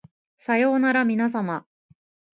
さようならみなさま